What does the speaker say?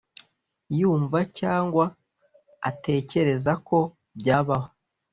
yumva cyangwa atekereza ko byabaho.